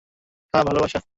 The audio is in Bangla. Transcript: হ্যাঁ, ভালোবাসা।